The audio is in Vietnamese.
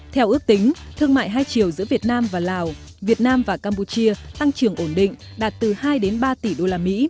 theo ước tính thương mại hai chiều giữa việt nam và lào việt nam và campuchia tăng trưởng ổn định đạt từ hai đến ba tỷ usd